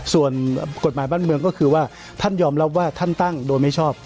ส่วนกฎหมายบ้านเมืองก็คือว่าท่านยอมรับว่าท่านตั้งโดยไม่ชอบ